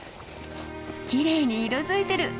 きれいに色づいてる！